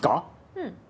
うん。